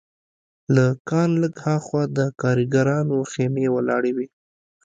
له کان لږ هاخوا د کارګرانو خیمې ولاړې وې